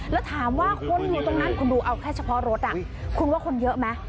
แล้วถามว่าคนอยู่ตรงนั้นคุณดูเอาแค่เฉพาะรถคุณว่าคนเยอะไหม